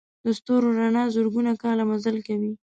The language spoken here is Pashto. د ستورو رڼا زرګونه کاله مزل کوي.